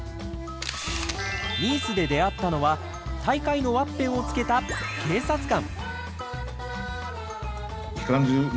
ニースで出会ったのは大会のワッペンをつけた警察官！